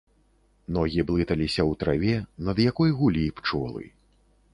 Ногі блыталіся ў траве, над якой гулі пчолы.